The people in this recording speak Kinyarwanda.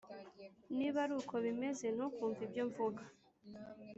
Niba ari uko bimeze ntukumve ibyo mvuga